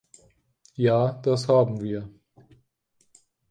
Ja, das haben wir.